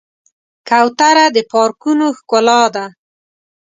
کوتره د پارکونو ښکلا ده.